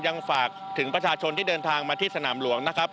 ยังฝากถึงประชาชนที่เดินทางมาที่สนามหลวงนะครับ